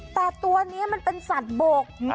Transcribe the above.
แต่ตัวนี้มันเป็นสัตว์บก